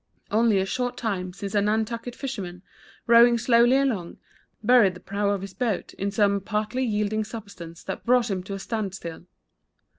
Only a short time since a Nantucket fisherman, rowing slowly along, buried the prow of his boat in some partly yielding substance that brought him to a stand still.